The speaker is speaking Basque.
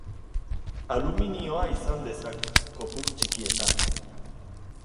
Aluminioa izan dezake, kopuru txikietan.